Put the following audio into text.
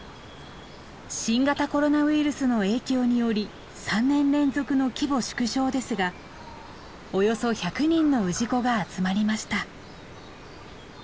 新型コロナウイルスの影響により３年連続の規模縮小ですがおよそ１００人の氏子が集まりました。